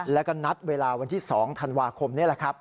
แล้วก็นัดเวลาวันที่๒ธันวาคมนี่แหละครับ